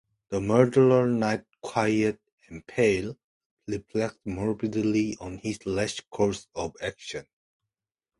The murderer-knight, quiet and pale, reflects morbidly on his rash course of action.